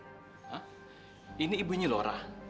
hah ini ibunya lora